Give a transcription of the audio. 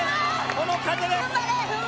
この風です。